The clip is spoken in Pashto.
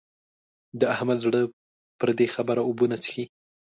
د احمد زړه پر دې خبره اوبه نه څښي.